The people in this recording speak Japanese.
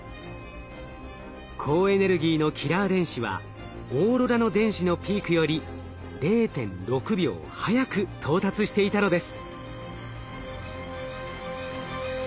高エネルギーのキラー電子はオーロラの電子のピークより０．６秒早く到達していたのです。